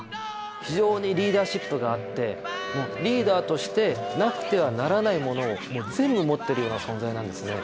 非常にリーダーシップがあってリーダーとしてなくてはならないものを全部持ってるような存在なんですね。